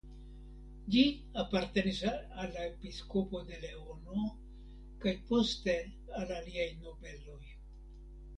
Ĝi apartenis al la episkopo de Leono kaj poste al aliaj nobeloj.